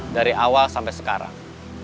dari awal sampai sekarang